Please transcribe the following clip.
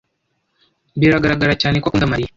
Biragaragara cyane ko akunda Mariya.